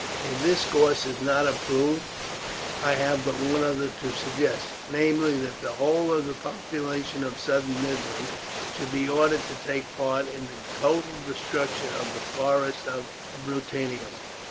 If this course is not approved I have but one other to suggest, namely, that the whole of the population of southern Italy should be ordered to take part in the total destruction of the forests of Bruttium.